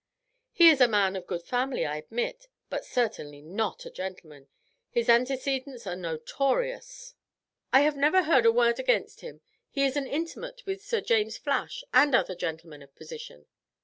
"He is a man of good family, I admit, but certainly not a gentleman; his antecedents are notorious." "I have never heard a word against him; he is intimate with Sir James Flash and other gentlemen of position."